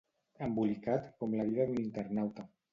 Embolicat com la vida d'un internauta.